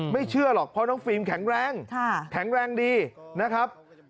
ไม่เชื่อหรอกเพราะน้องฟิล์มแข็งแรงแข็งแรงดีนะครับ